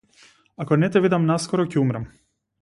Ако не те видам наскоро ќе умрам.